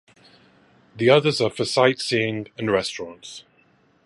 The others are for sightseeing and restaurants.